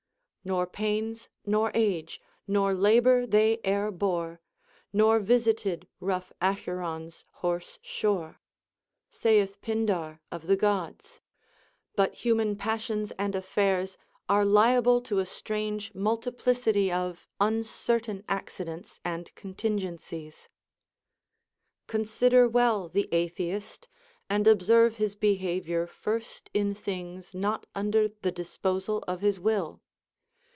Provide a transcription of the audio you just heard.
Nor pains, nor age, nor labor they e'er bore, Nor visited rough Acheron's hoarse shore, saith Pindar of the Gods ; but human passions and affairs are liable to a strange multiplicity of uncertain accidents and contingencies. 7. Consider well the atheist, and observe his behavior first in things not under the disposal of his will.